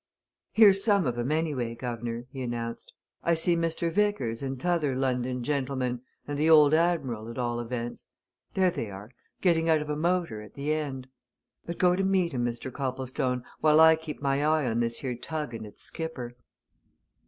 "Here's some of 'em, anyway, guv'nor," he announced. "I see Mr. Vickers and t'other London gentleman, and the old Admiral, at all events. There they are getting out of a motor at the end. But go to meet 'em, Mr. Copplestone, while I keep my eye on this here tug and its skipper."